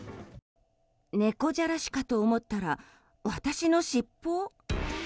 猫じゃらしかと思ったら私のしっぽ？